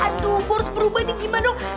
aduh harus berubah nih gimana dong